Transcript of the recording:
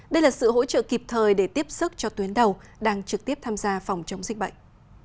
đây là sự hỗ trợ kịp thời để tiếp sức cho tuyến đầu đang trực tiếp tham gia phòng chống dịch bệnh